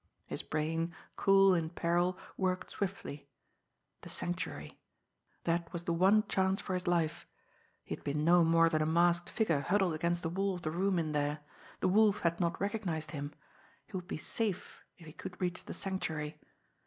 His brain, cool in peril, worked swiftly. The Sanctuary! That was the one chance for his life! He had been no more than a masked figure huddled against the wall of the room in there. The Wolf had not recognised him. He would be safe if he could reach the Sanctuary!